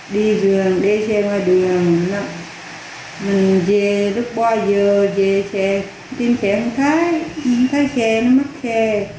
đi rường lấy xe ngoài đường mình về lúc ba giờ về xe tìm xe không thấy không thấy xe nó mất xe